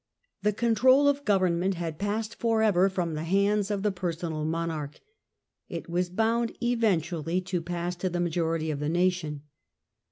The control of government had passed for ever from the hands of the personal monarch. It was bound eventually to pass to the majority of the nation.